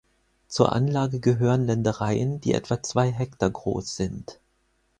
Zur Anlage gehören Ländereien, die etwa zwei Hektar groß sind.